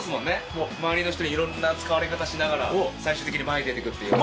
もう周りの人に、いろんな使われ方しながら、最終的に前出てくっていう。